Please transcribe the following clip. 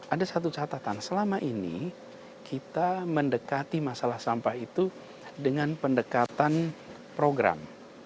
ada satu catatan selama ini kita mendekati masalah sampah itu dengan pendekatan program